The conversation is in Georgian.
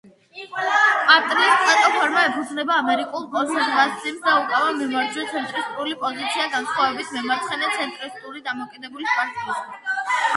პარტიის პლატფორმა ეფუძნება ამერიკულ კონსერვატიზმს და უკავია მემარჯვენე–ცენტრისტული პოზიცია განსხვავებით მემარცხენე–ცენტრისტული დემოკრატიული პარტიისგან.